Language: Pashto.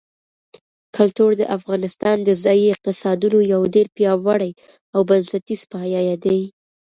کلتور د افغانستان د ځایي اقتصادونو یو ډېر پیاوړی او بنسټیز پایایه دی.